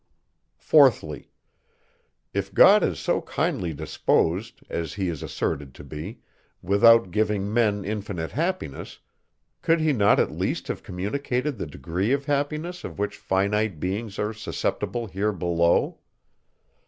4thly. If God is so kindly disposed, as he is asserted to be, without giving men infinite happiness, could he not at least have communicated the degree of happiness, of which finite beings are susceptible here below?